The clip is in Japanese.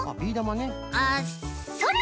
あっそれ！